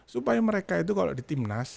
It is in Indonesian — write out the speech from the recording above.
supaya mereka itu kalau di timnas